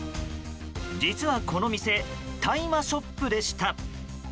実は、この店大麻ショップでした。